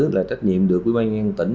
là trách nhiệm được quỹ ban ngang tỉnh